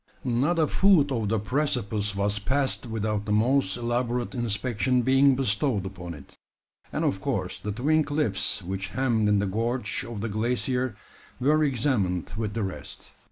Not a foot of the precipice was passed without the most elaborate inspection being bestowed upon it; and of course the twin cliffs which hemmed in the gorge of the glacier were examined with the rest.